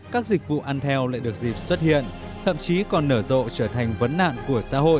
các dịch vụ ăn theo lại được dịp xuất hiện thậm chí còn nở rộ trở thành vấn nạn của xã hội